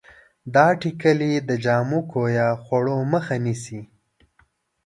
دا ټېکلې د جامو کویه خوړو مخه نیسي.